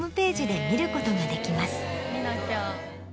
見なきゃ。